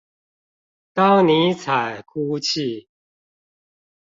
當尼采哭泣